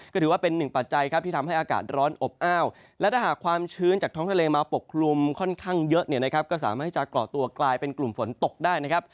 ก็ถือว่าเป็นหนึ่งปัจจัยครับที่ทำให้อากาศร้อนอบอ้าวและถ้าหากความชื้นจากท้องทะเลมาปกคลุมค่อนข้างเยอะเนี่ยนะครับก็สามารถที่จะเกาะตัวกลายเป็นกลุ่มฝนตกได้นะครับ